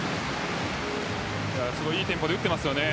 いいテンポで打っていますよね。